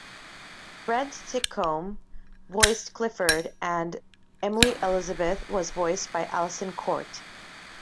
Brent Titcomb voiced Clifford, and Emily Elizabeth was voiced by Alyson Court.